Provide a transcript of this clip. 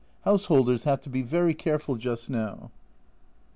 Householders have to be very careful just now.